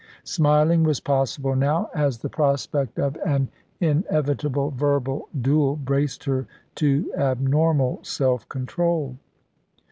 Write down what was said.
Smiling was possible now, as the prospect of an inevitable verbal duel braced her to abnormal self control.